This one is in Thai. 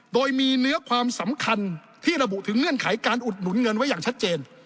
โดยมีเนื้อความสำคัญที่ระบุถึงเงื่อนไขการอุดหนุนเงินไว้อย่างชัดเจน